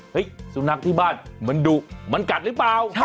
สุนัขที่บ้านมันดุมันกัดหรือเปล่า